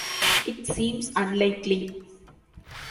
It seems unlikely.